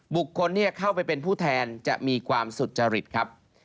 บุคคลที่เข้าไปเป็นผู้แทนจะมีความสุจริตครับ